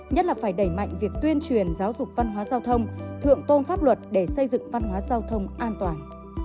nhất là phải đẩy mạnh việc tuyên truyền giáo dục văn hóa giao thông thượng tôn pháp luật để xây dựng văn hóa giao thông an toàn